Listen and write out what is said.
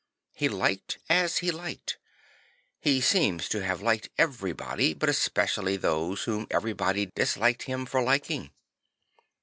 He liked as he liked; he seems to have liked every body, but especially those whom everybody disliked him for liking.